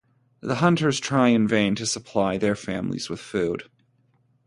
The hunters try in vain to supply their families with food.